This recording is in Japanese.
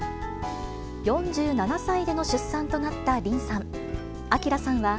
４７歳での出産となったリンさん。